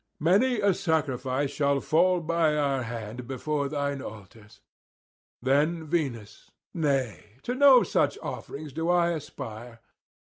Many a sacrifice shall fall by our hand before thine altars.' Then Venus: 'Nay, to no such offerings do I aspire.